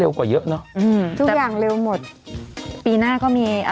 เราอยู่กับโควิดเสียบมา๒ปีเหรอนะ